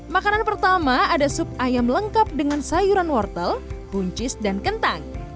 makanan pertama ada sup ayam lengkap dengan sayuran wortel buncis dan kentang